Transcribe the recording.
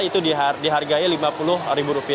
itu dihargai rp lima puluh